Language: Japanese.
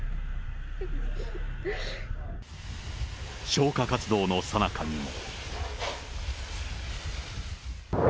消火活動のさなかにも。